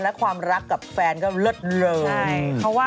และความรักกับแฟนก็เลิศเริ่มใช่